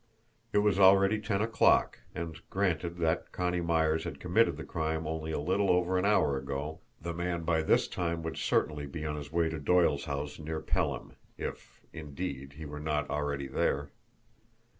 It was already ten o'clock; and, granted that Connie Myers had committed the crime only a little over an hour ago, the man by this time would certainly be on his way to Doyle's house near Pelham, if, indeed, he were not already there.